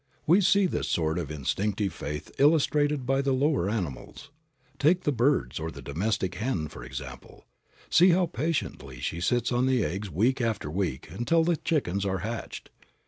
We see this sort of instinctive faith illustrated by the lower animals. Take the birds, or the domestic hen, for example. See how patiently she sits on the eggs week after week until the chickens are hatched.